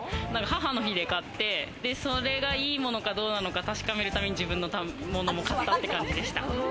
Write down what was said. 母の日で買って、それがいいものかどうなのか確かめるために、自分のものも買ったって感じでした。